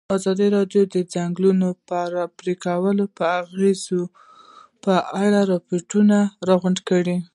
ازادي راډیو د د ځنګلونو پرېکول د اغېزو په اړه ریپوټونه راغونډ کړي.